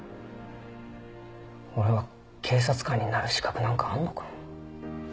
俺は警察官になる資格なんかあんのか。